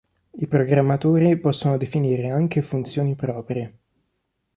I programmatori possono definire anche funzioni proprie.